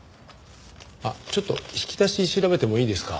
あっちょっと引き出し調べてもいいですか？